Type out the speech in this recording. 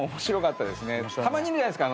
たまにいるじゃないっすか。